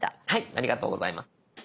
ありがとうございます。